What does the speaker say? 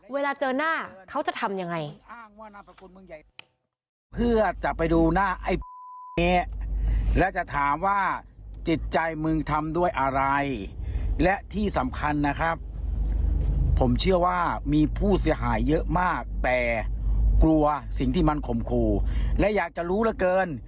เวลาเจอหน้าเขาจะทำยังไง